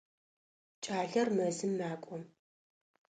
Кӏалэр мэзым макӏо.